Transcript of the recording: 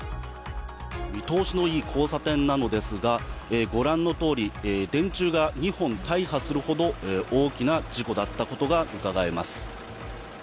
見通しのいい交差点なのですが、ご覧のとおり電柱が２本大破するほど大きな事故だったことがうかがえます。